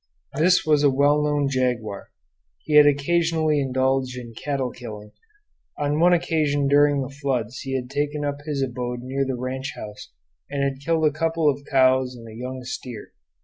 This was a well known jaguar. He had occasionally indulged in cattle killing; on one occasion during the floods he had taken up his abode near the ranch house and had killed a couple of cows and a young steer.